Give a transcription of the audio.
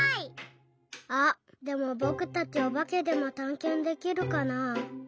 あっでもぼくたちおばけでもたんけんできるかな。